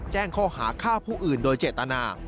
แจ้งข้อหาฆ่าผู้อื่นโดยเจตนา